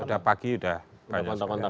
udah pagi udah banyak